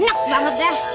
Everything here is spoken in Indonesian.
enak banget ya